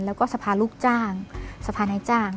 แล้วก็สภาลูกจ้างสภานายจ้าง